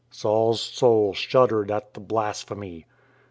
Saul's soul shuddered at the blasphemy.